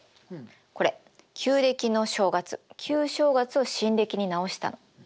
これ旧暦の正月旧正月を新暦に直したの。